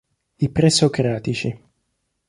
I presocratici".